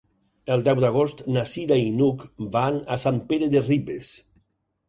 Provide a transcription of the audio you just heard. El deu d'agost na Cira i n'Hug van a Sant Pere de Ribes.